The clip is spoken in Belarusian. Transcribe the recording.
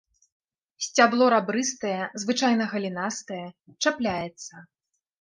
Сцябло рабрыстае, звычайна галінастае, чапляецца.